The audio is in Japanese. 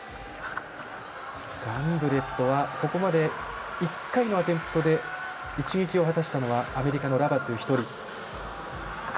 ガンブレットは、ここまで１回のアテンプトで一撃を果たしたのはアメリカのラバトゥ、１人。